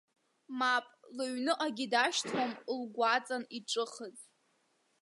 Мап, лыҩныҟагьы дашьҭуам лгәаҵан иҿыхаз.